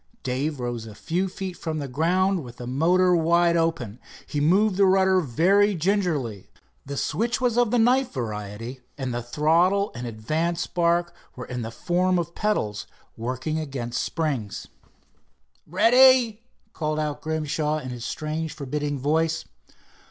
Dave rose a few feet from the ground with the motor wide open. He moved the rudder very gingerly. The switch was of the knife variety, and the throttle and advance spark were in the form of pedals working against springs. "Ready," called out Grimshaw, in his strange forbidding voice.